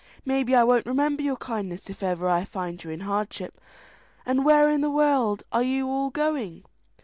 Maybe I won't remember your kindness if ever I find you in hardship; and where in the world are you all going?"